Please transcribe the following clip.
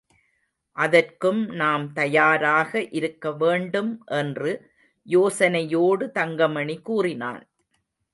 அதற்கும் நாம் தயாராக இருக்கவேண்டும் என்று யோசனையோடு தங்கமணி கூறினான்.